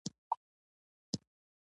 خولۍ د حاجي صاحب نښه ګڼل کېږي.